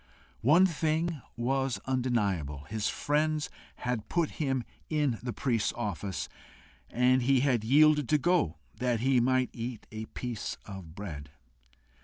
One thing was undeniable his friends HAD put him into the priest's office, and he had yielded to go, that he might eat a piece of bread.